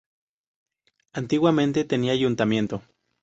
Antiguamente tenía ayuntamiento.